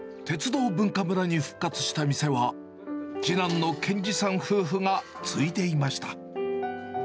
鉄道文化むらに復活した店は、次男の憲二さん夫婦が継いでいました。